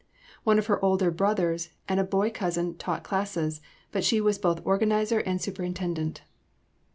One of her older brothers and a boy cousin taught classes, but she was both organizer and superintendent.